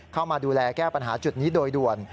เข้ามาดูแลแก้ปัญหาจุดนี้โดยด่วน